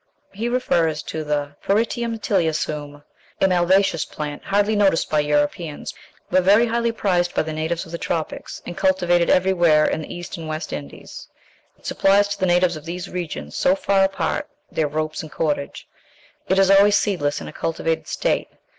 He refers to the Paritium tiliaceum, a malvaceous plant, hardly noticed by Europeans, but very highly prized by the natives of the tropics, and cultivated everywhere in the East and West Indies; it supplies to the natives of these regions so far apart their ropes and cordage. It is always seedless in a cultivated state.